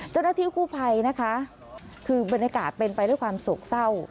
เจ้าหน้าที่กู้ภัยนะคะคือบรรยากาศเป็นไปด้วยความโศกเศร้า